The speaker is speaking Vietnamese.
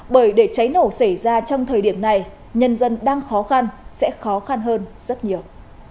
bởi để cháy nổ xảy ra trong thời điểm này nhân dân đang khó khăn sẽ khó khăn hơn rất nhiều